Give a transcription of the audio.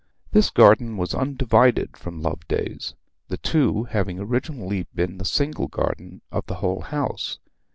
This garden was undivided from Loveday's, the two having originally been the single garden of the whole house.